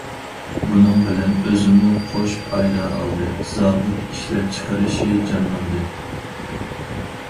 بۇنىڭ بىلەن ئۆزىمۇ قوش پايدا ئالدى، زاۋۇت ئىشلەپچىقىرىشى جانلاندى.